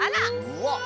うわっ！